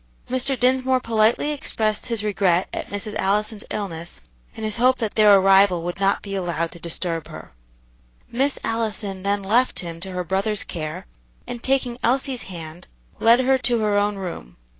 Mr. Dinsmore politely expressed his regret at Mrs. Allison's illness, and his hope that their arrival would not be allowed to disturb her. Miss Allison then left him to her brother's care, and taking Elsie's hand, led her to her own room.